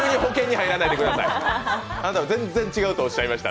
あなた、全然、違うとおっしゃいました。